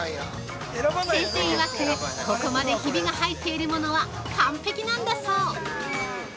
先生いわく、ここまでヒビが入っているものは完璧なんだそう。